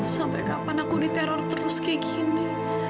sampai kapan aku diteror terus kayak gini